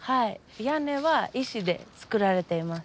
屋根は石で作られています。